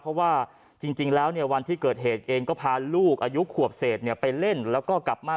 เพราะว่าจริงแล้วเนี่ยวันที่เกิดเหตุเองก็พาลูกอายุขวบเศษเนี่ยไปเล่นแล้วก็กลับมา